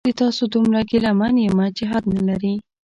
د تاسو دومره ګیله من یمه چې حد نلري